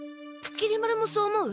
きり丸もそう思う？